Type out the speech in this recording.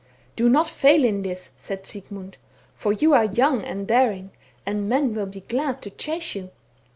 "' Do not fail in this,' said Sigmund, * for you are young and daring, and men would be glad to chase you.'